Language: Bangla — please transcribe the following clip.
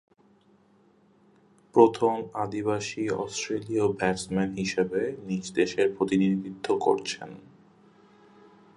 প্রথম আদিবাসী অস্ট্রেলীয় ব্যাটসম্যান হিসেবে নিজ দেশের প্রতিনিধিত্ব করছেন।